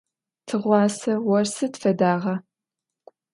Tığuase vor sıd fedağa?